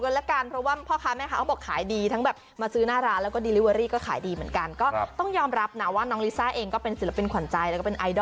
เพราะว่าพ่อ้าวแม่ค้าเค้าบอกขายดี